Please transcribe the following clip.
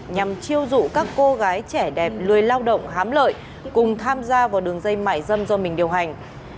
nhằm chiêu dụ các cô gái trẻ đẹp lười lao động hám lợi cùng tham gia vào đường dây mại dâm do mình điều hành